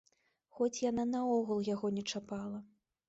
Хоць яна наогул яго не чапала!